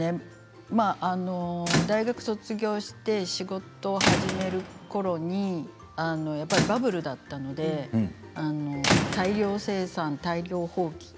大学卒業して仕事を始めるころにやっぱりバブルだったので大量生産、大量放棄